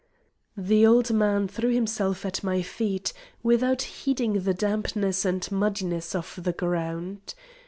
The old man threw himself at my feet, without heeding the dampness and muddiness of the ground.